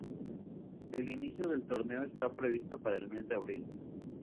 El inicio del torneo está previsto para el mes de abril.